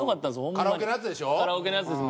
カラオケのやつです。